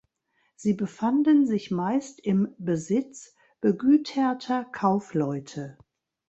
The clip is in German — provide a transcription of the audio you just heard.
Sie befanden sich meist im Besitz begüterter Kaufleute.